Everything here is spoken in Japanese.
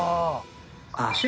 ああ！